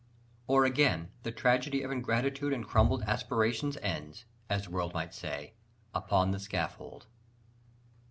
Or, again, the tragedy of ingratitude and crumbled aspirations ends as the world might say upon the scaffold.